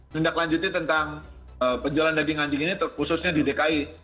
menindaklanjuti tentang penjualan daging anjing ini khususnya di dki